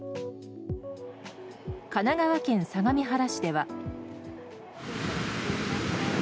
神奈川県相模原市では。